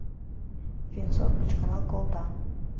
— Венцов кычкырал колта.